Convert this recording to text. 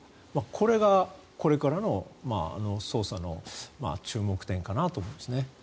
これがこれからの捜査の注目点かなと思います。